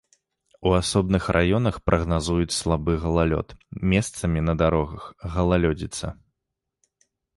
У асобных раёнах прагназуюць слабы галалёд, месцамі на дарогах галалёдзіца.